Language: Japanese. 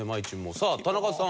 さあ田中さん。